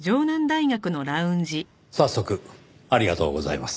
早速ありがとうございます。